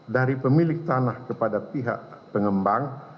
dari pemilik tanah kepada pihak pengembang